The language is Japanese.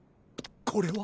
これは？